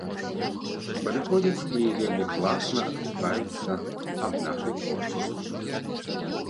Падыходзяць і вельмі класна адгукаюцца аб нашай творчасці.